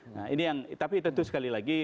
nah ini yang tapi tentu sekali lagi